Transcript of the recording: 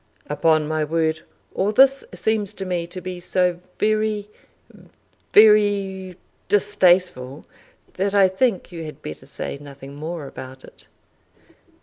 "Upon my word all this seems to me to be so very very, distasteful that I think you had better say nothing more about it."